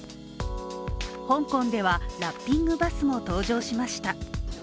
香港ではラッピングバスも登場しました。